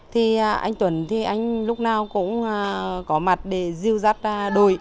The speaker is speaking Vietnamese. thì anh tuấn thì anh lúc nào cũng có mặt để diêu dắt đội